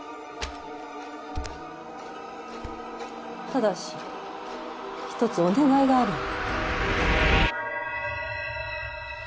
ただし一つお願いがあるの。